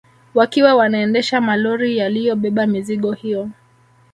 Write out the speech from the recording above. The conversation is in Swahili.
Wakiwa wanaendesha malori yaliyobeba mizigo hiyo